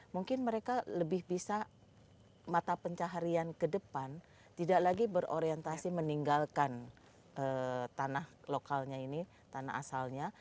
mungkin mereka lebih bisa mata pencaharian ke depan tidak lagi berorientasi meninggalkan tanah lokalnya ini tanah asalnya